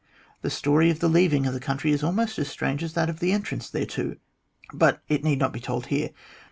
The story of the leaving of the country is almost as strange as that of the entrance thereto, but it need not be told here.